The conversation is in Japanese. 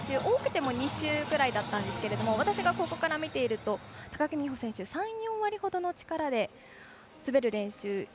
多くても２周ぐらいだったんですけど私がここから見ていると高木美帆選手３４割ほどの力で滑る練習。